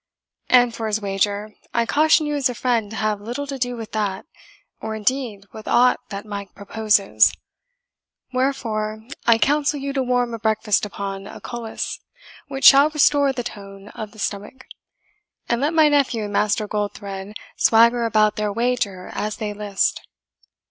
And for his wager, I caution you as a friend to have little to do with that, or indeed with aught that Mike proposes. Wherefore, I counsel you to a warm breakfast upon a culiss, which shall restore the tone of the stomach; and let my nephew and Master Goldthred swagger about their wager as they list."